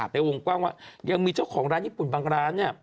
ในวงกว้างว่ายังมีเจ้าของร้านญี่ปุ่นบางร้านเนี่ย